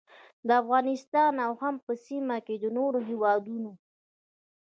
د افغانستان او هم په سیمه کې د نورو هیوادونو